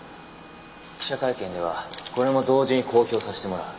記者会見ではこれも同時に公表させてもらう。